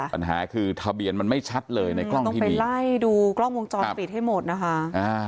ปัญหาคือทะเบียนมันไม่ชัดเลยในกล้องต้องไปไล่ดูกล้องวงจรปิดให้หมดนะคะ